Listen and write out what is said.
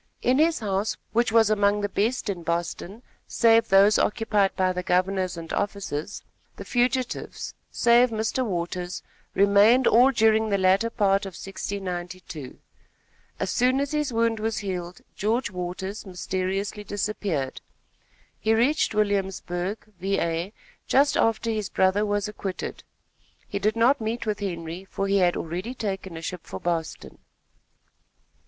In his house, which was among the best in Boston, save those occupied by the governors and officers, the fugitives, save Mr. Waters, remained all during the latter part of 1692. As soon as his wound was healed, George Waters, mysteriously disappeared. He reached Williamsburg, Va., just after his brother was acquitted. He did not meet with Henry, for he had already taken a ship for Boston.